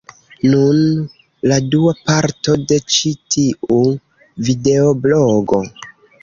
Nun, la dua parto de ĉi tiu videoblogo: